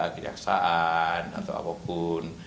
kejaksaan atau apapun